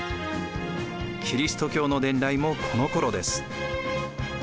キリスト教の伝来もこのころです。